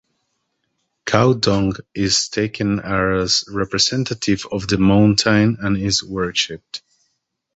Cow dung is taken as representative of the mountain and is worshiped.